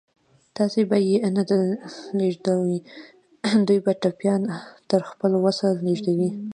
تاسې به یې نه لېږدوئ، دوی به ټپيان تر خپل وسه ولېږدوي.